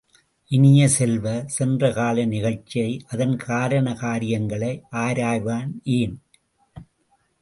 இனிய செல்வ, சென்ற கால நிகழ்ச்சியை அதன் காரண காரியங்களை ஆராய்வானேன்?